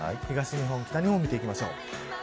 東日本、北日本見ていきましょう。